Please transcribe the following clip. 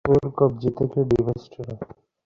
ওর কব্জি থেকে ডিভাইসটা নাও।